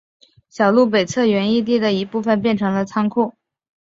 小路北侧原义地的一部分变成了仓库。